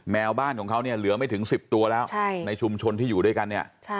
แมวบ้านของเขาเนี่ยเหลือไม่ถึง๑๐ตัวแล้วในชุมชนที่อยู่ด้วยกันเนี่ย